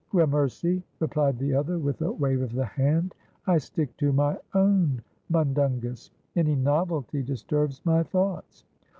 "Gramercy," replied the other, with a wave of the hand. "I stick to my own mundungus; any novelty disturbs my thoughts.